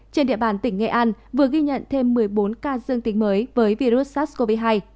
trên địa bàn tỉnh nghệ an vừa ghi nhận thêm một mươi bốn ca dương tính mới với virus sars cov hai